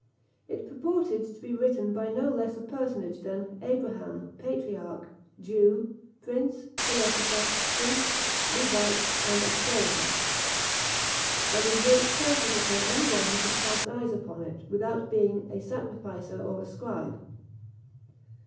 It purported to be written by no less a personage than "Abraham, patriarch, Jew, prince, philosopher, priest, Levite, and astrologer;" and invoked curses upon any one who should cast eyes upon it, without being "a sacrificer or a scribe."